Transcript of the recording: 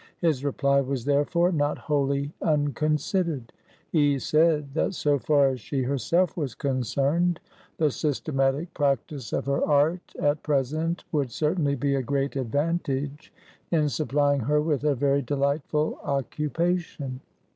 His reply was therefore not wholly unconsidered. He said, that so far as she herself was concerned, the systematic practice of her art at present would certainly be a great advantage in supplying her with a very delightful occupation.